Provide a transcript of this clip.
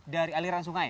dari aliran sungai